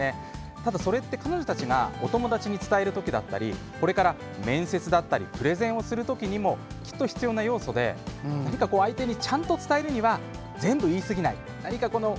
ただ、それって彼女たちがお友達に伝えるときだったりこれから、面接だったりプレゼンをするときにもきっと必要な要素で相手にちゃんと伝えるには全部、言い過ぎない。